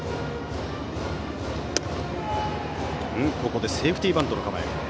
ここでセーフティーバントの構え。